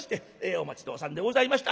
「お待ち遠さんでございました。